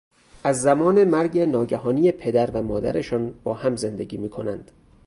از زمان مرگ ناگهانی پدر و مادرشان با هم زندگی می کنند.